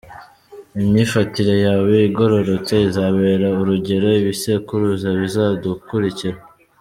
Imyifatire yawe igororotse izabera urugero ibisekuruza bizadukurikira.